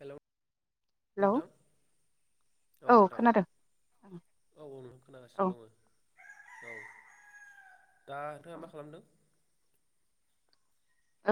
Hello hello नोंथां औ नोंथां औ औ नों औ खोनागासिनो दङ औ दा नोंथाङा ओ मा खालामदों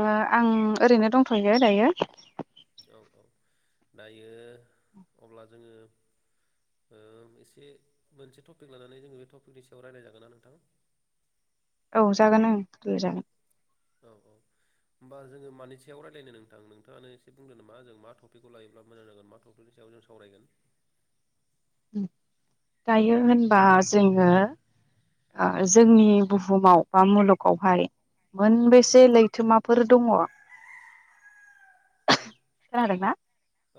ओ आं ओरैनो दंथ'यो दायो औ औ दायो अब्ला जोङो ओ एसे मोनसे टपिक लानानै जोङो बे टपिकनि सायाव रायलाय जागोन ना नोंथां? औ जागोन ओं लोगो जागोन औ औ होमबा जोङो मानि सायाव रायलायनो नोंथां नोंथाङानो एसे बुंदों नामा जों मा टपिकखौ लायोब्ला मोजां जागोन मा टपिकनि सायाव जों सावरायगोन। दायो होनबा जोङो ओ जोंनि बुहुमाव बा मुलुगावहाय उम मोनबेसे लैथोमाफोर दङ खोनादोंना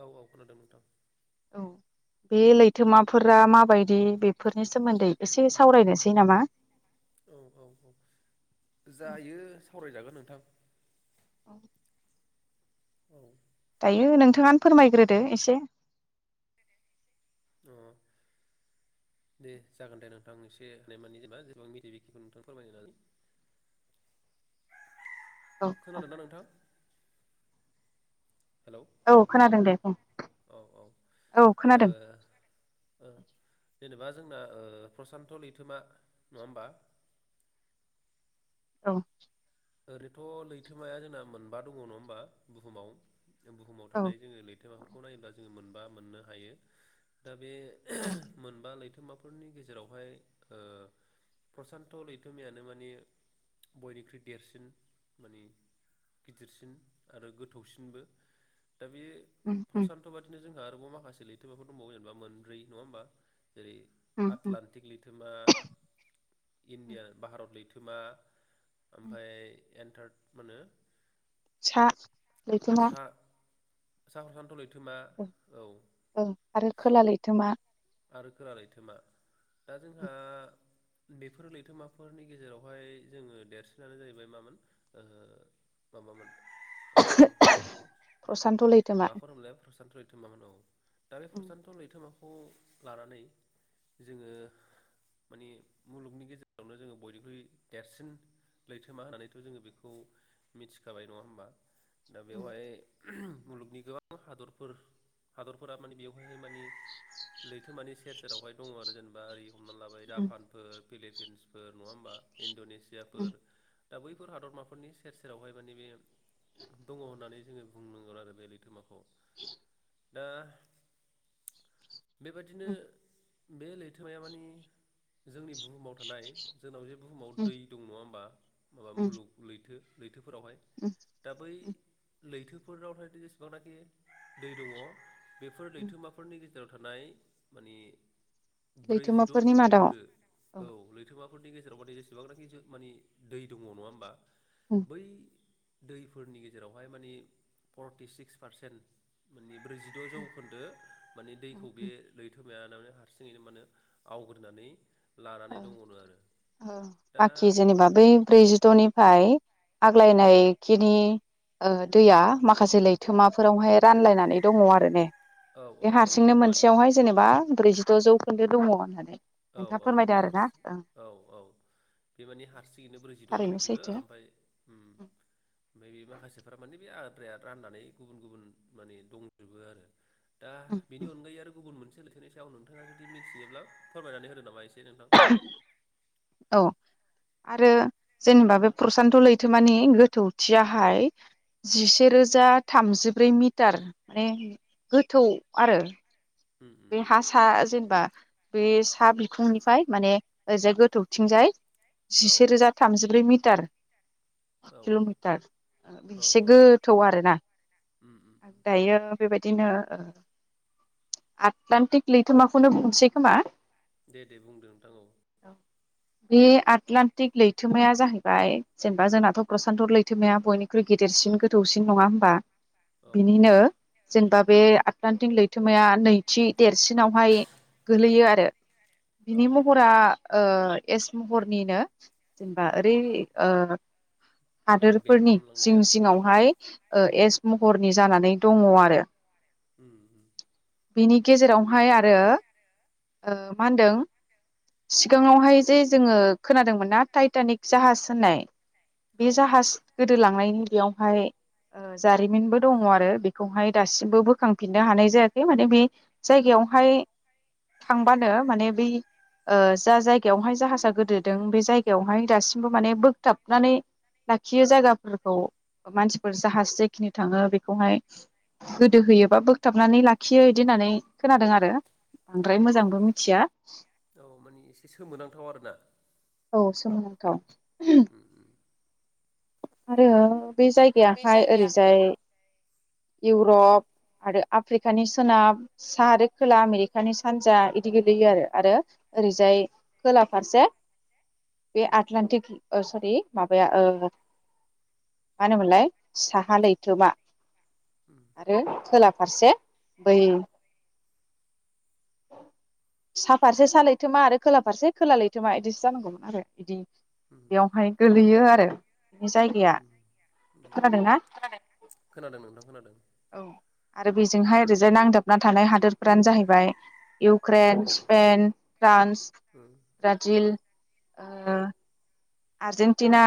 औ औ खोनादों नोंथां औ बे लैथोमाफोरा माबायदि बेफोरनि सोमोन्दै एसे सावरायनोसै नामा औ औ औ जायो सावरायजागोन नों नोंथां औ दायो नोंथाङानो फोरमायग्रोदो एसे अ दे जागोन दे नोंथां एसे होन मानि जेनेबा जेबां मिथि बेखिखौ नोंथां फोरमायगोन औ औ खोनादों दा नोंथां? हेलौ औ खोनादों दे बुं औ ओ औ खोनादों ओ जेनेबा जोंना ओ प्रसान्त' लैथोमा नङा होमबा औ ओरैथ' लैथोमाया जोंना मोनबा दङ नङा होमबा बुहुमाव बुहुमाव औ थानाय जोङो लैथोमाफोरखौ नायोब्लास जों मोनबा मोननो हायो दा बे ओ मोनबा लैथो थोमाफोरनि गेजेरावहाय ओ प्रसान्त लैथोमायानो माने बयनिख्रइ देरसिन माने गिदिरसिन आरो गोथौसिनबो दा बे उम उम प्रसान्त' बादिनो जोंहा आरोबाव माखासे लैथोमाफोर दंबावो जेनेबा मोनब्रै नङा होनबा जेरै उम उम आटलान्टिक लैथोमा इण्डियान भारत लैथोमा ओमफाय एनथार्ड मा नो सा लैथोमा सा [inaudible] लै थोमा औ ओं आरो खोला लैथोमा आरो खोला लैथोमा दा जोंहा बेफोर लैथोमाफोरनि गेजेरावहाय जोङो देरसिनानो जाहैबाय मामोन ओ माबामोन ओ [unintelligible] प्रसान्त लैथ माखौ होनोमोनलाय प्रसान्त थोमा मोन औ दालाय उम प्रसान्त लैथोमा खौ लानानै जोङो माने मुलुगनि गेजेरावनो जोङो बयनिख्रुइ देरसिन लैथोमा होननानैथ' जोङो बेखौ मिथिखाबाय नङा होमबा दा उम बेवहाय [unintelligible] मुलुगनि गोबां हादरफोर-हादरफोरा माने बेवहाय मानि लैथोमानि सेर जेरावहाय दङ आरो जेनेबा ओरै हमना लाबाय उम जापानफोर फिलिपिन्सफोर नङा होमबा इण्ड'नेस सियाफोर उम दा बैफोर हादरमाफोरनि सेर-सेरावहाय माने बे दङ होननानै जोङो बुंनांगोन आरो बे लैथोमाखौ [inaudible] दा बेबादिनो उम बे लैथोमाया मानि जोंनि बुहुमाव थानाय जोंनाव जे बुहुमाव दै दं नङा होमबा माबा उम मुलुग लैथो थोफोरावहाय उम दा बै उम लैथोफोरावहाय दिस बांनाखि दै दङ बेफोर उम लैथोमाफोरनि गे जेराव थानाय मानि ब्रैजिद' लैथोमाफोरनि मादाव जौखोन्दो औ लैथोमा फोरनि गेजेराव मानि जेसेबां नाखि जो माने दै दङ नङा होमबा उम बै दैफोरनि गेजेरावहाय मानि फरटि सिक स पारसेन्ट माने ब्रैजिद' ओ जौखोन्दोत। माने दैखौ बे लैथो मायानो मानि हारसिङैनो मानो आवग्रोनानै ओ ओ दा बाखि जेनेबा बै ब्रैजिद'नि फाय आग्लायनायखिनि ओ दैया माखासे लैथोमाफोरावहाय रानलायनानै दङ आरो ने औ औ बे औ हारसिंनो मानि मोनसेयावहाय जेनेबा ब्रैजि द' जौखोन्दो दङ होननानै औ औ नोंथां बे हारसि [unintelligible] आरोना औ औ बे माने हारसिङैनो ब्रैजिद' थारैनो जौखोन्दो सैथो ओमफाय ओम ओमफाय बे माखासेफोरा माने बे आ आद्राया राननानै गुबुन गुबुन माने दंजोबो आरो दा उम बेनि उम अनगायै आरो गुबुन मोन से लैथोनि सायाव नोंथाङा जुदि मिथियोब्ला फोरमायनानै होनो नामा एसे नों। [inaudible] औ आरो जेनेबा बे प्रसान्त' लैथोमानि गोथौथियाहाय जिसे रोजा थामजिब्रै मिटार माने गोथौ आरो। उम उम बे हा सा जेनेबा बे सा बिखुंनिफ्राय माने ओजाय गोथौथिंजाय। औ जिसे रोजा थामजिब्रै मि। टार। औ किल'मिटार। ओ औ बेसे औ गोथौ आरोना। उम उम उम दायो बेबायदिनो ओ। आटदान्टिक लैथोमाखौनो बुसै खोमा। दे दे बुंदो नोंथां औ। बे आटलान्टिक लैथोमाया जाहैबाय जेनेबा जोंनाथ' प्रसान्त लैथोमाया बयनिख्रुइ गेदेरसिन गोथौसिन नङा होनबा। औ औ बिनिनो जेनेबा। बे आटलान्टिक लैथोमाया नै- थि देरसिनावहाय गोलैयो आरो औ बिनि महरा एस महरनिनो जेनेबा उम उम ओरै ओ। बेनि हादोरफोरनि बेंखनलांनाय जिं आरो जिङावहाय। ओ एस महरनि जानानै दङ आरो। उम। बिनि गेजेरावहाय आरो मा होनदों सिगाङावहाय जे जोङो खोनादोंमोन ना टाइटानिक जाहाज होननाय। औ बे जाहाज गो दो लांनायनि बेयावहाय जारिमिनबो दङ आरो बेखौहाय दासिमबो बोखांफिननो हानाय जायाखै मा ने बे जायगायावहाय थांबानो माने बै जा जायगायावहाय जाहाजा गोदोदों बे जायगायावहाय दासिमबो माने बोगथाबनानै लाखियो जायगाफोरखौ मानसिफोर जाहाज जेखिनि थाङो बेखौहाय गोदो होयोबा बोगथाबनानै ला खियो बिदि होननानै खोनादों आरो। औ बांद्राय मोजांबो मिथिया औ माने एसे सोमोनांथाव आरोना औ सोमो थाव। उम उम। आरो बे जायगायाहाय जायगाया ओरैजाय। इउरप आरो आफ्रिकानि सोनाब साहा आरो खोला आमेरिकानि सानजा इदि गोग्लैयो आरो। उम ओरैजाय खोला। फारसे बे आटलान्टिक सरि माबाया ओ। मा होनोमोनलाय साहा लैथोमा उम आरो खोला फारसे बै। सा फारसे सा लैथोमा आरो खोलाफारसे खोला लैथोमा बिदिसो जानांगौमोन आरो बिदि उम बेयावहाय गोलैयो आरो। बेनि जायगाया उम उम खोनादोंना खोनादों नोंथां खोनादों औ। आरो बेजोंहाय ओरैजाय नांदाबना थानाय हादोरफ्रानो जाहैबाय। Ukraine, Spain, France. उम ब्राजिल। ओ आर्जेनटिना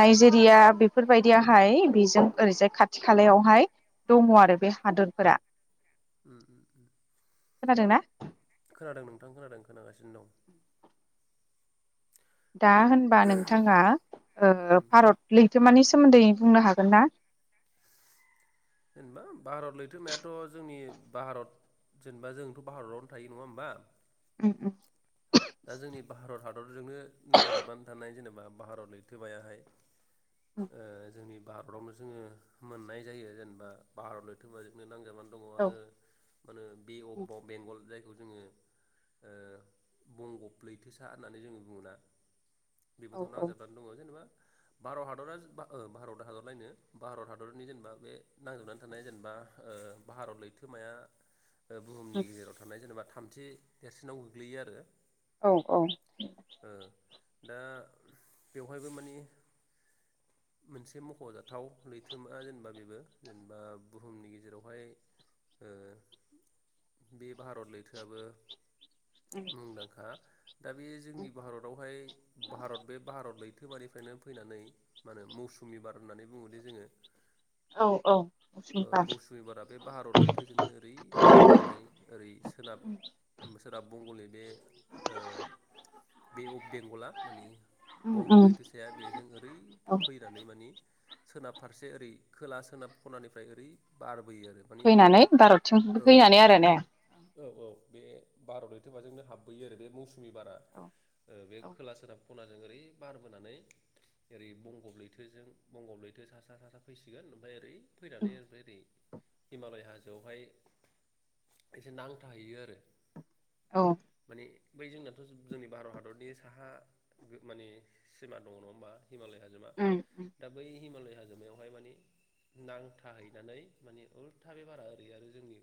नायजेरिया बेफोर बायदियाहाय बेजों ओरैजाय खाथि खालायावहाय दङ आरो बे हादरफोरा। उम उम। खोंनादोंना। खोनादों नोंथां खोनादों खोनागासिनो दं। दा होनबा नोंथाङा उम भारत लैथोमानि सोमोन्दै बुंनो हागोनना। जेनेबा भारत लैथोरोमायाथ' जोंनि भारत जेनेबा जोंथ' भारतावनो थायो नङा होमबा। उम उम। दा जोंनि भारत हादर। फोरजोंनो नांजाबनानै थानाय जेनेबा। भारत लैथोमायाहाय। ओ जोंनि भारतावनो जोङो मोननाय जायो जेनेबा भारत लैथोमोबाजोंनो औ [unintelligible] [unintelligible] से अप बेंगल जायखौ जोङो ओ बंगब लैथोसा होननानै जोङो बुङोना। बेबोथ' औ औ नांजाबनानै दङ जेनेबा। भारत हादरा भारत हादरलायनो भारत हादरनि जेनेबा बे नांजाबनानै थानाय जेनेबा भारत लैथोमाया। बुहुमनि गेजेराव थानाय जेनेबा। थामथि देरसिनाव गोग्लैयो आरो। औ औ। ओ दा बेवहायबो मानि मोनसे मख'जाथाव लैथोमा जेनेबा बेबो जेनेबा बुहुमनि गेजेरावहाय बे भारत लैथोआबो मुदांखा। दा बे जोंनि भारतावहाय भारत बे भारत लैथोमानिफ्रायनो फैनानै मा होनो मौसुमि बार होननानै बुङोदि जोङो। औ औ बार मौसुमि बारा बे भारत लैथोजोंनो ओरै बारबोनानै ओरै सोनाब सोनाब बगंनि बे बे अफ बेंगला मानि उम बंग' उम लैथोसाया बेजों ओरै औ फैनानै माने सोनाब फारसे ओरै खोला -सोनाब खनानिफ्राय ओरै बारबोयो। आरो माने फैनानै भारतथिं औ फैनानै आरो ने औ औ बे भारत लैथोमाजोंनो [unintelligible] हाबोयो आरो बे मौसुमि बारा। औ बे औ खोला -सोनाब। खनाजों ओरै बारबोनानै ओरै बंग'ब लैथोजों बंग'ब लैथो सा- सा -सा फैसिगोन ओमफ्राय ओरै फैनानै ओमफ्राय ओरै हिमालय हाजोआवहाय एसे नांथाहैयो आरो। औ। माने बै जोंनाथ' जो-जोंनि भारत हादरनि साहा माने सिमा दङ नङा होमबा हिमालय हाजोमा। उम उम दा बै हिमालय हाजोमायावहाय माने नांथाहैनानै माने उल्था बे बारा ओरै आरो जोंनि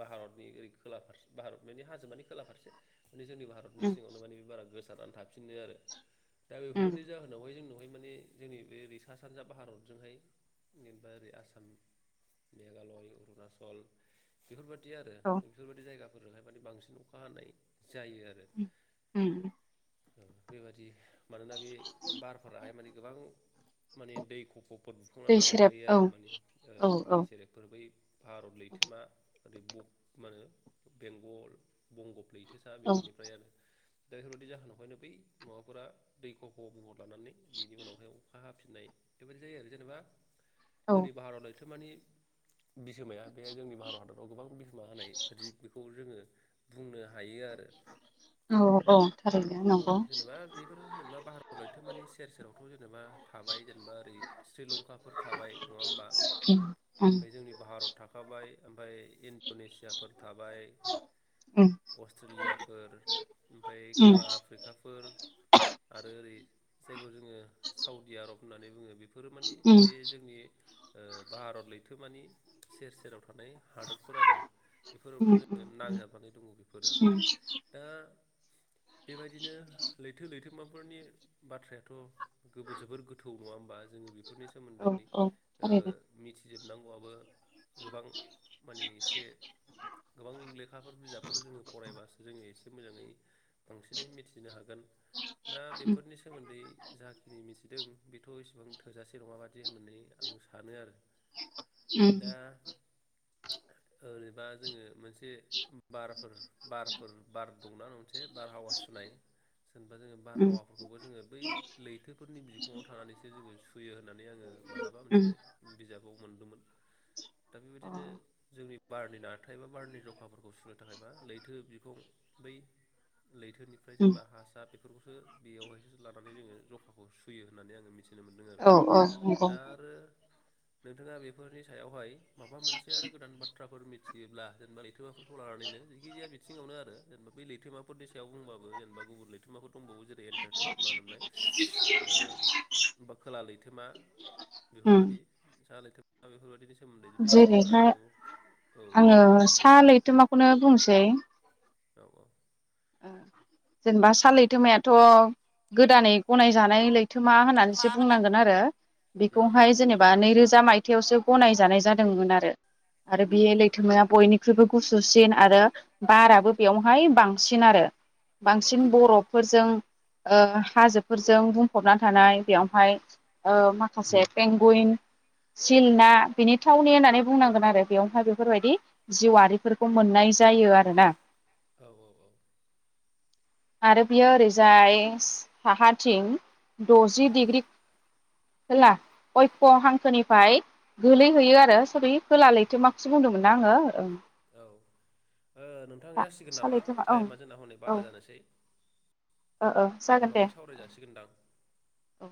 भारतनि ओरै खोला फारस भारत मानि हाजोमानि खोला [unintelligible] माने जोंनि भारतनि उम सिङावनो माने बे बारा गोसारना [unintelligible] [unintelligible] आरो। दा उम बेफोरबायदि जाहोनावहाय जोंनावहाय माने जोंनि बे ओैरै सा-सानजा भारतजोंहाय जेनेबा ओरै आसाम, मेघालय, अरुनाचल बेफोरबाय [unintelligible] आरो औ बेफोरबायदि जायगा फोराहाय माने बांसिन अखा हानाय जायो आरो। उम उम। औ बेबादि मानोना बे बारफोराहाय माने गोबां माने दै खफ' [unintelligible] बुखांना दै सेरेब लाबोफायो औ आरो ओ माने औ औ दै सेरेफफोर बै भारत लैथोमा ओरै ब मा होनो बेंगल बंगप लैथो दा औ बेफोरनिफ्राय आरो दा बेफोरबायदि जाहोनावहायनो बै माबाफोरा दै खफ' बुहर लानानै बिनि उनावहाय अख खा हाफिननाय बेबायदि जायो आरो जेनेबा औ जोंनि भारत लैथो थोमानि बिहोमाया बे जोंनि भारत हादराव गोबां बिह मा होनाय बिदि बेखौ जोङो बुंनो हायो आर औ-औ औ जेनेबा बेफोर जेनेबा भारत लैथोमानि सेर सेराव थ' जेनेबा थाबाय जेनेबा ओरै श्रीलंकाफोर थाबाय नङा होमबा? उम उम ओमफाय जोंनि भारत थाख खाबाय ओमफाय इन इण्ड'नेसियाफोर थाबाय, अस्ट्रेलियाफोर ओमफाय उम खोला आफ्रिकाफोर आरो ओरै जायखौ जोङो साउडि आरब होननानै बुङो बेफ फोर मानि उम बे जोंनि ओ भारत लैथो मानि सेर सेराव थानाय हादरफोर आरो। बेफोरावनो उम उम जोङो नांजाबनानै दङ बेफोरो उम दा बेबायदिनो लैथो-लैथोमाफोरनि बाथ्रायाथ' गोबो जोबोर गोथौ नङा होमबा जोंनि बेफ फोरनि औ सोमोन्दै औ ओह थारैनो मिथि जोबनांगौआबो। गोबां माने एसे गोबां लेखाफोर बिजाबफोर जोङो फरायबासो जोङो एसे बे मोजाङै। बांसिनै मिथिनोहागोन दा उम बेफोरनि सोमोन्दै जाखिनि मिथिदों। बेथ' इसेबां थोजासे नङाबादि होननानै आं सानोआरो। उम ओरैबा जोङो मोनसे बारफोर बारफोर बार दंना नंसे। बारहावा सुनाय सोनबा जोङो उम बारहावाफोरखौबो जोङो बै लैथोफोरनि बिखुङाव थानानैसोजोङो सुयो होननानै आङो मालाबा मोनसे उम बिजाबाव मोनदोंमोन। दा बेबादिनो जोंनि बारनि नाथाय एबा बारनि जखाफोरखौ सुनो थाखायबा लैथो बिखुं बै लैथोनिफ्राय उम जेनबा हासा बेफोरखौसो बेयावहायसो लानानै जोङो जखाखौसुयो होननानै आङो मिथि औ औ नोंगौ। नोंथाङा बेफोरनि सायावहाय माबामोनसे आरो गोदान बाथ थ्राफोर मिथियोब्ला जेनेबा लैथोमाफोरखौ लानानैनो जिखिजाया बिथिङावनोआरो जेनेबा बै लैथोमा फोर सायाव बुंबाबो जेनेबा गुबुन लैथोमाखौ दंबावो जेरै एन्टारकटिक माहोनोमोनलाय ओ बा खोला लैथोमा उम बेफोरबादि साहा लैथोम दा बेफोरबादिनि सो जेरैहाय औ आङो माबाफोर सा बुंबावोब्ला लैथोमाखोनो बुंसै। औ औ। जेनबा सा दे लैथोमायाथ' गोदानै गनायजानाय लै थोमा लैथोमा होननानैसो होननानै बुंनांगोनआरो उम बेखौहाय जेनेबा नैरोज जा मायथायावसो गनायजानाय जादोंमोन आरो। आरो उम बेयो उम लैथोमाया बयनिख ख्रुइबो गुसुसिन आरो बाराबो बेयावहाय बां सिन आरो। बांसिन बर'ब फोरजों। ओ हाजोफोरजों बुंफबना थानाय बेयावहाय ओ माखासे पेंगुइन सिल ना बेनि थावनि होननानै बुंनांगोनआरो बेयावहाय बेफोरबायदि जिउआफोरखौ मोननाय जायो आरोना। औ औ। औ आरो बियो ओरैजाय साहाथिं औ दजि डिग्रि होला अक्ष'' हांखोनिफ्राय गोलैहैयो आरो सरि खोला औ लैथोमाखोसो बुंदोंमोन ना आङो। ओं। औ। ओ नोंथां जासिगोन सा नामा लैथोमा ओं टाइमा जोंना हनै औ बारा जानोसै ओ ओ जागोन दे उनावहाय सावराय जाासिगोनदां। औ